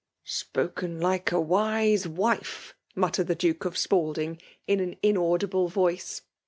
" Spoken like a wise wife !" muttered the Di&e of Spalding in an inaudible voice, and VOL.